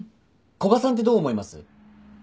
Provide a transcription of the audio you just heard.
古賀さんってどう思います？